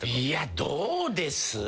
いやどうです？